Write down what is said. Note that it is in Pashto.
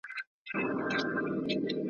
پرېږده جهاني د ځوانیمرګو د محفل کیسه `